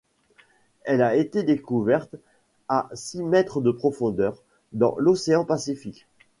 Elle a été découverte à six mètre de profondeur dans l'océan Pacifique.